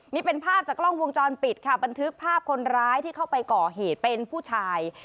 นี่เป็นภาพจากกล้องวงจรปิดค่ะบันทึกภาพคนร้ายที่เข้าไปก่อเหตุเป็นผู้ชาย